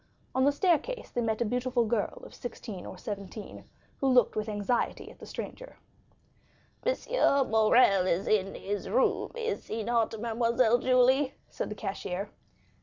On the staircase they met a beautiful girl of sixteen or seventeen, who looked with anxiety at the stranger. "M. Morrel is in his room, is he not, Mademoiselle Julie?" said the cashier.